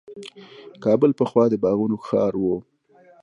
کابل پخوا د باغونو ښار و.